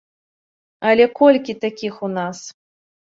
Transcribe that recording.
Але колькі такіх у нас?